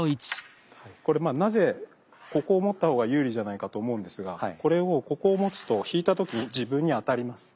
これまあなぜここを持ったほうが有利じゃないかと思うんですがこれをここを持つと引いた時自分に当たります。